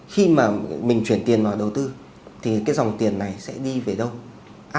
khi mà mình chuyển tiền vào đầu tư thì cái dòng tiền này sẽ đi về các loại hợp đồng này